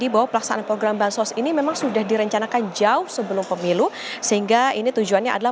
bahan sos ini memang sudah direncanakan jauh sebelum pemilu sehingga ini tujuannya adalah